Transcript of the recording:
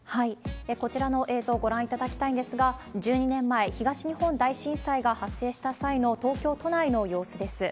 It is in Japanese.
こちらの映像ご覧いただきたいんですが、１２年前、東日本大震災が発生した際の東京都内の様子です。